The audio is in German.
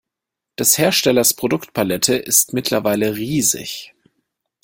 Des Herstellers Produktpalette ist mittlerweile riesig.